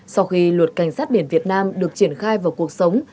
sau khi luật cảnh sát biển việt nam được triển khai vào cuộc sống